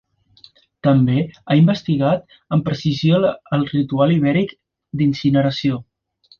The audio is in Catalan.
També ha investigat amb precisió el ritual ibèric d'incineració.